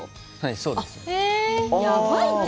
そうですね。